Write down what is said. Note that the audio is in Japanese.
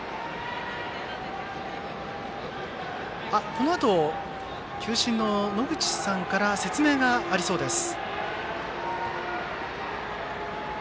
このあと、球審の野口さんから説明があるそうです。